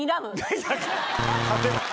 勝てない。